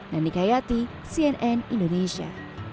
nani kayati cnn indonesia